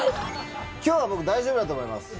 今日は僕大丈夫だと思います。